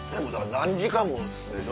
何時間もでしょ